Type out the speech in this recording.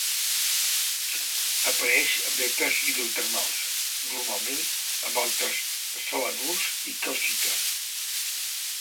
Apareix en vetes hidrotermals, normalment amb altres selenurs i calcita.